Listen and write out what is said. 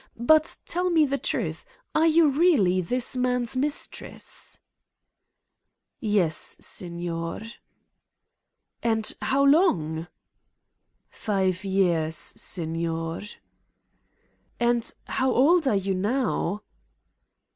But tell me the truth: are you really ... this man's mistress ?" "Yes, signer." "And. . .how long?" "Five years, signer." "And how old are you now."